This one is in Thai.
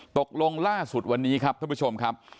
ตกลงล่าสุดวันนี้ครับท่านผู้ชมครับ